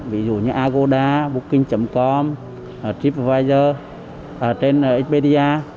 ví dụ như agoda booking com tripadvisor trên expedia